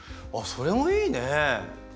それもいいね！